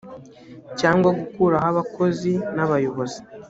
cyangwa gukuraho abakozi n abayobozi